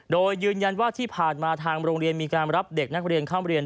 โดยยืนยันว่าที่ผ่านมาทางโรงเรียนมีการรับเด็กนักเรียนเข้าเรียน